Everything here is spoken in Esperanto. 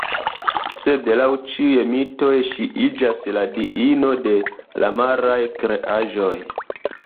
Sed laŭ ĉiuj mitoj ŝi iĝas la diino de la maraj kreaĵoj.